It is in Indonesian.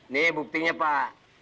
nih buktinya pak